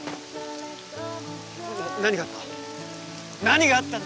何があった？